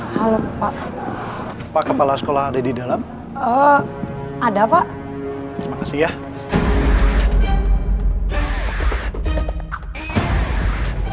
halo pak pak kepala sekolah ada di dalam ada pak makasih ya